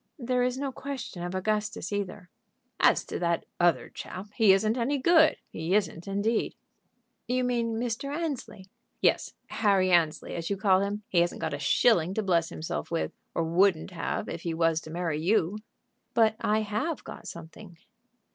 "There is no question of Augustus either." "As to that other chap, he isn't any good; he isn't indeed." "You mean Mr. Annesley?" "Yes; Harry Annesley, as you call him. He hasn't got a shilling to bless himself with, or wouldn't have if he was to marry you." "But I have got something."